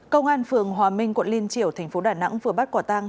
công an phường hòa minh quận linh triều tp đà nẵng vừa bắt quả tang